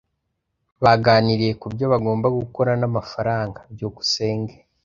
Baganiriye kubyo bagomba gukora namafaranga. byukusenge